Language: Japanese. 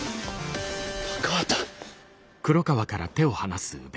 高畑。